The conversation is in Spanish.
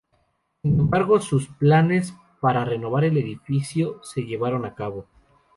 Sin embargo sus planes para renovar el edificio no se llevaron a cabo.